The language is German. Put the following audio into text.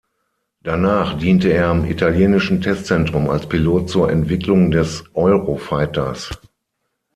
Danach diente er am italienischen Testzentrum als Pilot zur Entwicklung des Eurofighters.